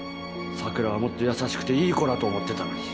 桜はもっと優しくていい子だと思ってたのに。